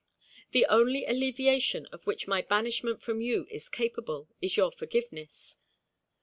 The only alleviation of which my banishment from you is capable, is your forgiveness.